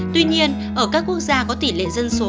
tuy nhiên ở các quốc gia có tỷ lệ dân số